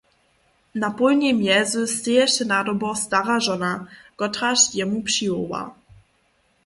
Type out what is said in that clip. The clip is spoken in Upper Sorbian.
Na pólnej mjezy steješe nadobo stara žona, kotraž jemu přiwoła.